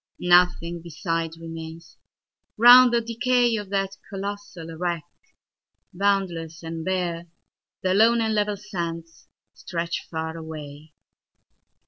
Nothing beside remains: round the decayOf that colossal wreck, boundless and bare, The lone and level sands stretch far away.